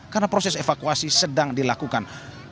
karena proses evakuasi sedang dilakukan